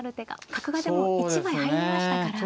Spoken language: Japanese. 角がでも１枚入りましたから。